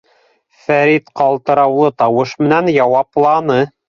— Фәрит ҡалтыраулы тауыш менән яуапланы.